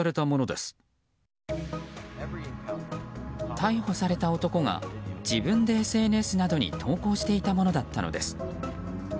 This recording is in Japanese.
逮捕された男が自分でＳＮＳなどに投稿していたものだったのです。